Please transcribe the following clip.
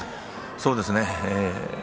そうですね。